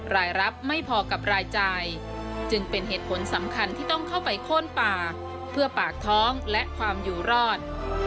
รายรับไม่พอกับรายจ่ายจึงเป็นเหตุผลสำคัญที่ต้องเข้าไปโค้นป่าเพื่อปากท้องและความอยู่รอด